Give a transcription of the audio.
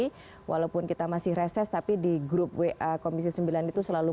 jadi walaupun kita masih reses tapi di grup wa komisi sembilan itu selalu